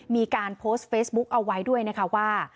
มีการโพสต์เฟซบุ๊คเอาไว้ด้วยนะคะว่า